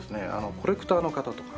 コレクターの方とか。